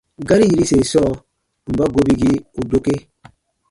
Gari yiruse sɔɔ: mba gobigii u dokee?